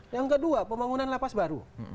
yang kedua pembangunan lapas baru